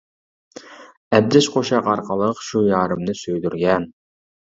ئەبجەش قوشاق ئارقىلىق، شۇ يارىمنى سۆيدۈرگەن.